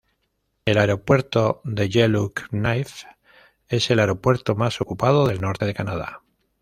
El Aeropuerto de Yellowknife es el aeropuerto más ocupado del norte de Canadá.